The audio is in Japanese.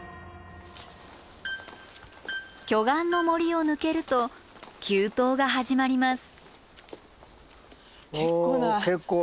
巨岩の森を抜けると急登が始まります。